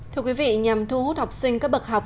thưa quý vị nhằm thu hút học sinh các bậc học